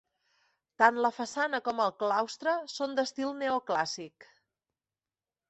Tant la façana com el claustre són d'estil neoclàssic.